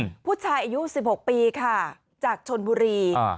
ผู้ชายอายุสิบหกปีค่ะจากชนบุรีอ่า